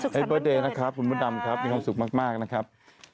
เบอร์เดย์นะครับคุณมดดำครับมีความสุขมากนะครับ